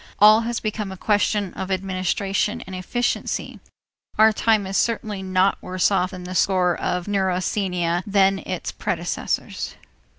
All has become a question of administration and efficiency. Our time is certainly not worse off on the score of neurasthenia than its predecessors.